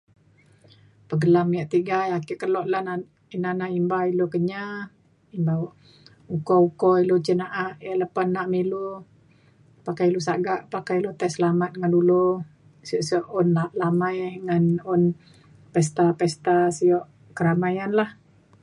pekelam yak tiga yak ake kelo lan ina na imba ilu Kenyah imba uko uko ilu cin na’a yak lepa nak me ilu pakai ilu sagak pakai ilu tai selamat ngan dulu sio sio un la- lamai ngan un pesta pesta sio keramaian lah